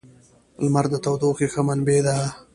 • لمر د تودوخې ښه منبع ده.